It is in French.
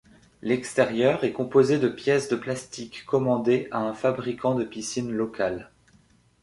L'extérieur est composé de pièces de plastique commandées à un fabricant de piscines local.